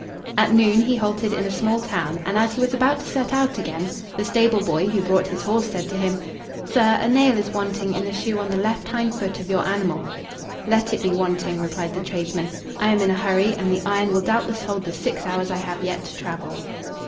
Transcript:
At noon he halted in a small town, and as he was about to set out again, the stable boy who brought his horse said to him: "Sir, a nail is wanting in the shoe on the left hind foot of your animal." "Let it be wanting," replied the tradesman; "I am in a hurry and the iron will doubtless hold the six hours I have yet to travel."